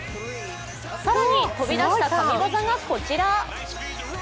更に飛び出した神業がこちら。